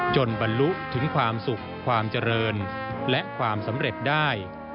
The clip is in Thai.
บรรลุถึงความสุขความเจริญและความสำเร็จได้